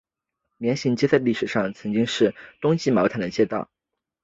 棉行街在历史上曾经是生产棉花制造服装或冬季毛毯的街道。